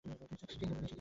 সেই দিন আর নেই।